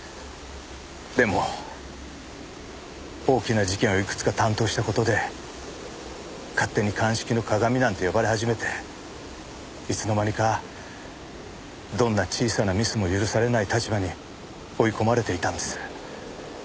でも大きな事件をいくつか担当した事で勝手に鑑識のかがみなんて呼ばれ始めていつの間にかどんな小さなミスも許されない立場に追い込まれていたんです。